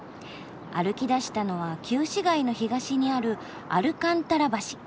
歩きだしたのは旧市街の東にあるアルカンタラ橋。